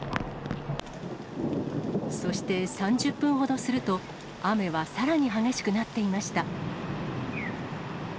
そして３０分ほどすると、雨はさらに激しくなっていました。